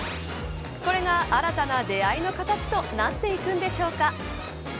これが新たな出会いの形となっていくのでしょうか。